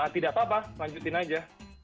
tidak apa apa lanjutin aja